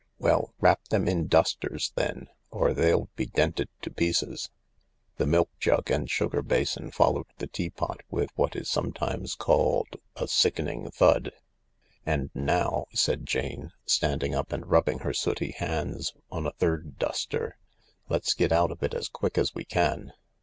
" Well, wrap them in dusters, then, or they'll be dented to pieces." The milk jug and sugar basin followed the tea pot with what is sometimes called a sickening thud. " And now," said Jane, standing up and rubbing her sooty hands on a third duster, " let's get out of it as quick as we can.